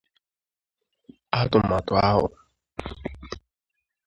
atụmatụ ahụ